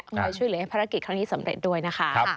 คอยช่วยเหลือให้ภารกิจครั้งนี้สำเร็จด้วยนะคะ